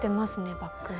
バッグの。